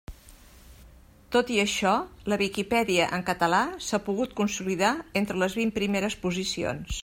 Tot i això, la Viquipèdia en català s'ha pogut consolidar entre les vint primeres posicions.